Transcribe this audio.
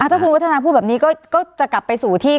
ถ้าคุณวัฒนาพูดแบบนี้ก็จะกลับไปสู่ที่